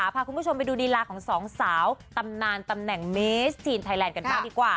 พาคุณผู้ชมไปดูลีลาของสองสาวตำนานตำแหน่งเมสจีนไทยแลนด์กันบ้างดีกว่า